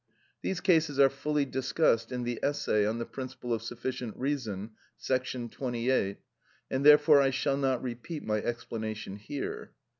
These cases are fully discussed in the essay on the principle of sufficient reason, § 28, and therefore I shall not repeat my explanation here.